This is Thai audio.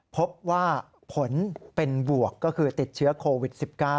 พบว่าผลเป็นบวกก็คือติดเชื้อโควิด๑๙